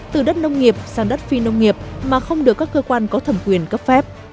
từ đất nông nghiệp sang đất phi nông nghiệp mà không được các cơ quan có thẩm quyền cấp phép